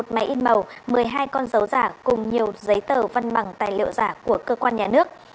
một máy in màu một mươi hai con dấu giả cùng nhiều giấy tờ văn bằng tài liệu giả của cơ quan nhà nước